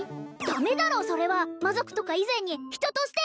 ダメだろうそれは魔族とか以前に人として！